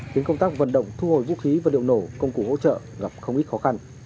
khiến công tác vận động thu hồi vũ khí và liệu nổ công cụ hỗ trợ gặp không ít khó khăn